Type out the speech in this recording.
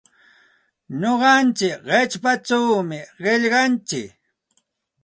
Nuqantsik qichpachawmi qillqantsik.